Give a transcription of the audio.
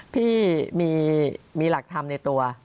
พี่มีหลักธรรมในตัว